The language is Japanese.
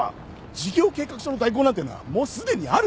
事業計画書の代行なんてのはもうすでにある。